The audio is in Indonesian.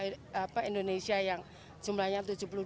ini simbol indonesia yang jumlahnya tujuh puluh dua